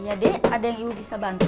iya dek ada yang ibu bisa bantu